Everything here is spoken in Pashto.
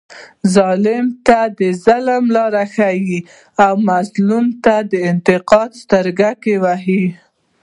ظلم ته د ظلم لاره ښیي او مظلوم ته د انتقام سترګک وهي.